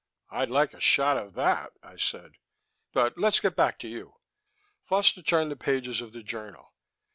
"I'd like a shot of that," I said. "But let's get back to you." Foster turned the pages of the journal.